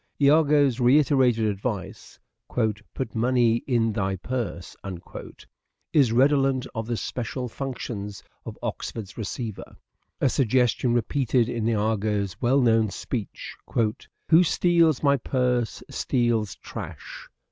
lago's reiterated advice, " Put money in thy purse," is redolent of the special functions of Oxford's receiver : a suggestion repeated in lago's well known speech " Who steals my purse steals trash."